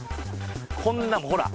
こんなのほら。